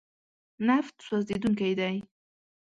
نفت سوځېدونکی دی.